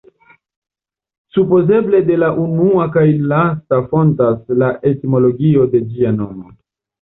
Supozeble de la unua kaj lasta fontas la etimologio de ĝia nomo.